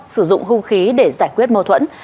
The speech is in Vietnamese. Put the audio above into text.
sử dụng hung khí để giải quyết mâu thuẫn